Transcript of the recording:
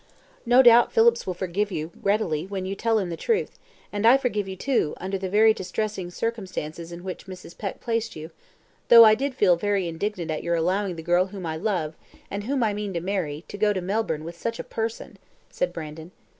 "No doubt Phillips will forgive you readily when you tell him the truth; and I forgive you too, under the very distressing circumstances in which Mrs. Peck placed you, though I did feel very indignant at your allowing the girl whom I love, and whom I mean to marry, to go to Melbourne with such a person," said Brandon.